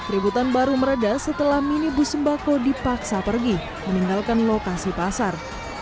ributan baru meredah setelah minibus sembako dipaksa pergi meninggalkan lokasi pasar